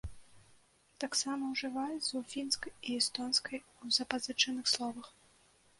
Таксама ўжываецца ў фінскай і эстонскай у запазычаных словах.